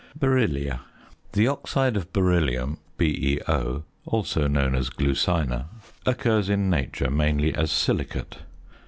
BERYLLIA. The oxide of beryllium, BeO (also known as glucina), occurs in nature mainly as silicate.